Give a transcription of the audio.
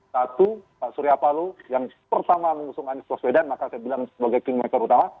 satu pak suryapalo yang pertama mengusung anies loswedan maka saya bilang sebagai kingmaker utama